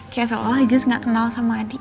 kayak seolah olah jess gak kenal sama adi